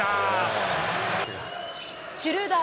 シュルーダー。